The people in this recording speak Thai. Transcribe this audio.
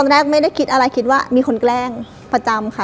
แรกไม่ได้คิดอะไรคิดว่ามีคนแกล้งประจำค่ะ